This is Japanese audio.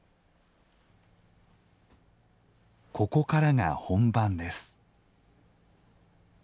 ここからが本番です。